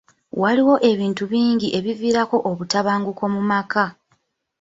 Waliwo ebintu bingi ebiviirako obutabanguko mu maka.